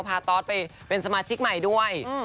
ตอสไปเป็นสมาชิกใหม่ด้วย